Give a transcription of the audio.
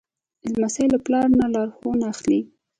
لمسی له پلار نه لارښوونه اخلي.